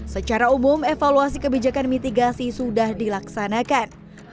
secara umum evaluasi kebijakan mitigasi sudah dilaksanakan